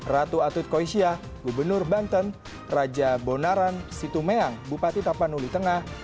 ratu atut koisia gubernur banten raja bonaran situmeang bupati tapanuli tengah